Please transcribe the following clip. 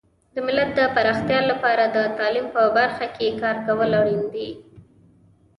د ملت د پراختیا لپاره د تعلیم په برخه کې کار کول اړین دي.